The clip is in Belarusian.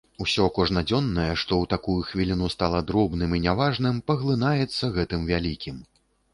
Усё кожнадзённае, што ў такую хвіліну стала дробным і не важным, паглынаецца гэтым вялікім.